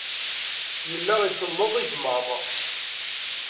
Yella iselleḍ igmaḍ.